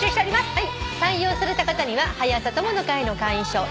はい。